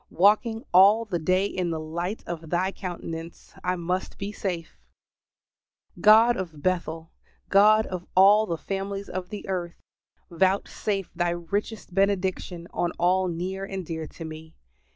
Walking all the day in the light of Thy countenance, I must be safe! God of Bethel God of all the families of the earth, vouchsafe Thy richest benediction on all near and dear to me.